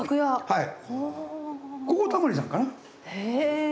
はい。